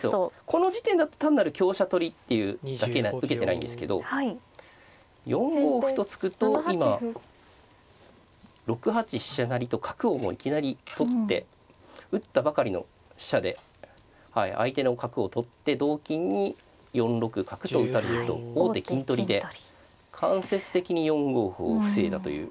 この時点だと単なる香車取りっていうだけ受けてないんですけど４五歩と突くと今６八飛車成と角をもういきなり取って打ったばかりの飛車で相手の角を取って同金に４六角と打たれると王手金取りで間接的に４五歩を防いだという。